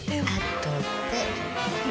後で。